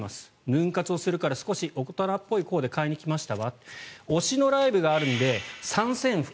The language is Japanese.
ヌン活をするから少し大人っぽいコーデを買いに来ました推しのライブがあるんで参戦服。